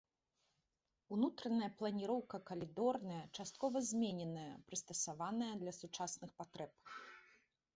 Унутраная планіроўка калідорная, часткова змененая, прыстасаваная для сучасных патрэб.